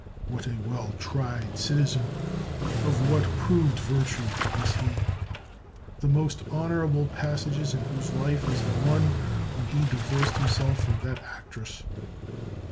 What a well tried citizen! of what proved virtue is he! the most honorable passage in whose life is the one when he divorced himself from this actress.